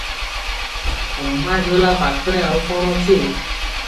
ଅମ୍ବାଝୋଲା ପାଖରେ ଆଉ କଣ ଅଛି?